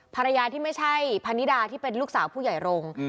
ภรรยาที่ไม่ใช่พนิดาที่เป็นลูกสาวผู้ใหญ่รงค์